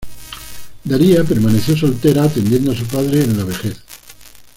Daría permaneció soltera, atendiendo a su padre en la vejez.